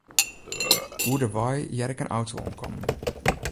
Oer de wei hear ik in auto oankommen.